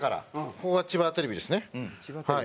ここが千葉テレビですねはい。